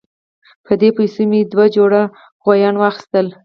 په دې پیسو مې دوه جوړه غویان واخیستل.